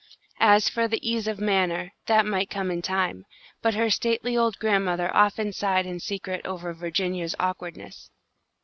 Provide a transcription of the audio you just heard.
As for the ease of manner, that might come in time, but her stately old grandmother often sighed in secret over Virginia's awkwardness.